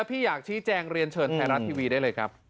พี่อยากชี้แจงเรียนเชิญไทยรัฐทีวีได้เลยครับ